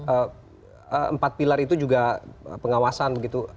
empat pilar itu juga pengawasan begitu